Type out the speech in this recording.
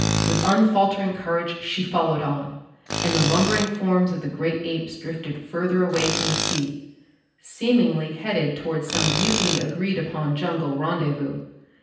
With unfaltering courage she followed on, and the lumbering forms of the great apes drifted further away from the sea, seemingly headed toward some mutely agreed upon jungle rendezvous.